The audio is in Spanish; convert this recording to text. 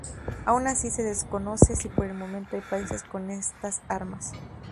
Aun así, se desconoce si por el momento hay países con estas armas.